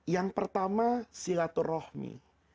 yang pertama silaturrohmi